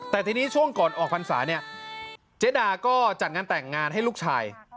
แต่ทีนี้ช่วงก่อนออกพรรษาเนี่ยเจดาก็จัดงานแต่งงานให้ลูกชาย